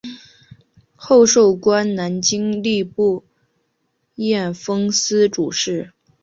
后授官南京吏部验封司主事。